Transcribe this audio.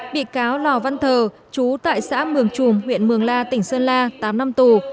bị cáo lò văn thờ chú tại xã mường trùm huyện mường la tỉnh sơn la tám năm tù